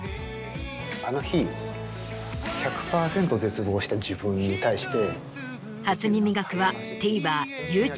あの日１００％絶望した自分に対して。